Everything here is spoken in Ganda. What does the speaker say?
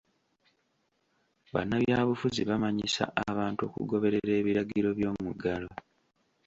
Bannabyabufuzi bamanyisa abantu okugoberera ebiragiro by'omuggalo.